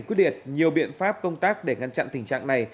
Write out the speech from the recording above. quyết liệt nhiều biện pháp công tác để ngăn chặn tình trạng này